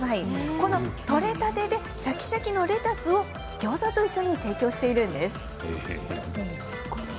この取れたてでシャキシャキのレタスをギョーザと一緒に提供しているんです。